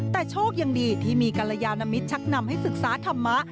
แต่โชคยังดีที่มีกรยานมิตรชักนำให้ศึกษาธรรมะ